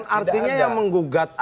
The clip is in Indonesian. dari gerindra yang menggugat